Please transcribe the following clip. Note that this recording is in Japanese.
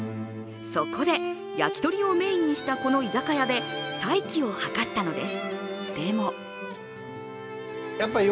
そこで焼き鳥をメインにしたこの居酒屋で再起を図ったのです。